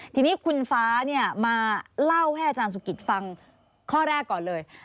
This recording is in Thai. ทีนี้คุณฟ้ามาเล่าให้อาจารย์สุกิตฟังข้อแรกก่อนเลย